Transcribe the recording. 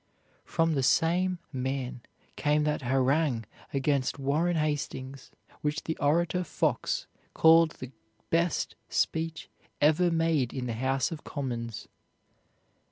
From the same man came that harangue against Warren Hastings which the orator Fox called the best speech ever made in the House of Commons.